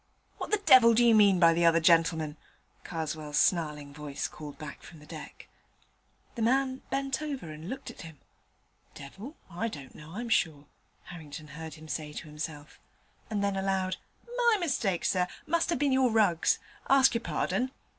'What the devil do you mean by the other gentleman?' Karswell's snarling voice called back from the deck. The man bent over and looked at him. 'The devil? Well, I don't know, I'm sure,' Harrington heard him say to himself, and then aloud, 'My mistake, sir; must have been your rugs! ask your pardon.'